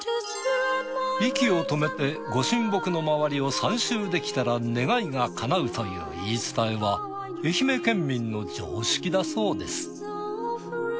息を止めて御神木のまわりを３周できたら願いがかなうという言い伝えは愛媛県民の常識だそうです。